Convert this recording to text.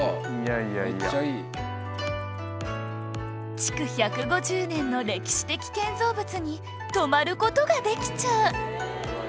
築１５０年の歴史的建造物に泊まる事ができちゃう！